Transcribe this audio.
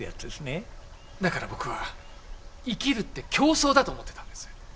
だから僕は生きるって競争だと思ってたんです。